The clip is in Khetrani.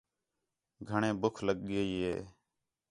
گھݨیں ٻُکھ لڳ ڳئی ہے